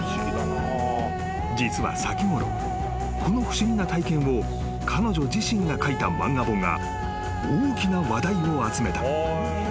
［実は先ごろこの不思議な体験を彼女自身が描いた漫画本が大きな話題を集めた］